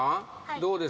どうですか？